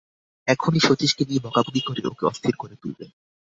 এখনই সতীশকে নিয়ে বকাবকি করে ওকে অস্থির করে তুলবেন।